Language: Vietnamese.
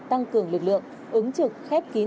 tăng cường lực lượng ứng trực khép kín